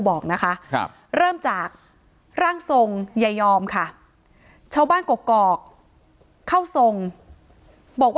บอกนะคะเริ่มจากร่างทรงยายอมค่ะชาวบ้านกกอกเข้าทรงบอกว่า